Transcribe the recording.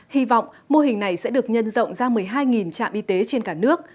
hy vọng mô hình này sẽ được nhân rộng ra một mươi hai trạm y tế trên cả nước